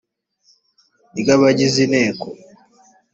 ry abagize inteko